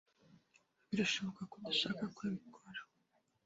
Birashoboka ko udashaka ko abikora.